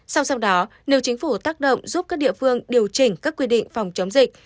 song song đó nếu chính phủ tác động giúp các địa phương điều chỉnh các quy định phòng chống dịch